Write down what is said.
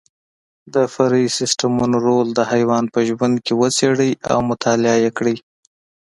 د فرعي سیسټمونو رول د حیوان په ژوند کې وڅېړئ او مطالعه یې کړئ.